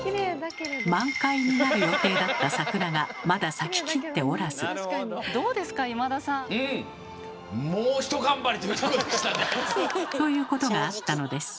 満開になる予定だった桜がまだ咲ききっておらず。ということがあったのです。